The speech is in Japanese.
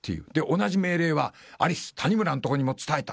同じ命令はアリス・谷村のところにも伝えた。